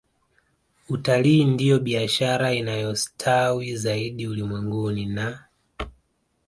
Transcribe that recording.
Utalii ndiyo biashara inayostawi zaidi ulimwenguni na